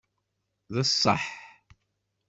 D ṣṣeḥ.